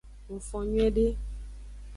Ngfon nyuiede.